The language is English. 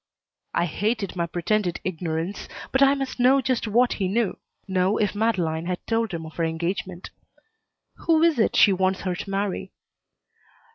I hated my pretended ignorance, but I must know just what he knew. Know if Madeleine had told him of her engagement. "Who is it she wants her to marry?"